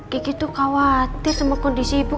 gigi tuh khawatir sama kondisi ibu